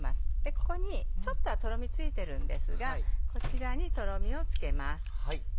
ここにちょっとはとろみついてるんですがこちらにとろみをつけます。